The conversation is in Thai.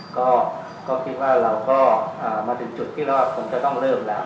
ก็คิดว่าเราก็มาถึงจุดที่เราคงจะต้องเริ่มแล้ว